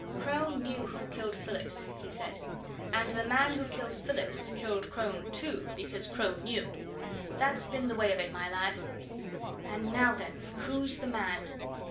"Crone knew who killed Phillips," he said. "And the man who killed Phillips killed Crone, too, because Crone knew! That's been the way of it, my lad! And now, then, who's the man?"